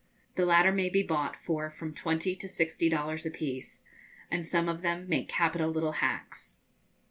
The latter may be bought for from twenty to sixty dollars apiece; and some of them make capital little hacks.